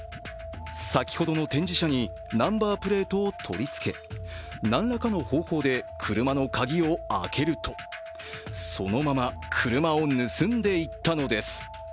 先ほどの展示車にナンバープレートを取り付け何らかの方法で車の鍵を開けると、そのまま車を盗んでいったのです。